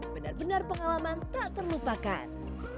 benar benar pengalaman tak terlupakan